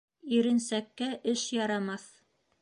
Иренсәккә эш ярамаҫ.